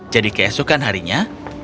jadi keesokan harinya